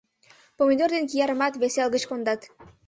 — Помидор ден киярымат вес эл гыч кондат.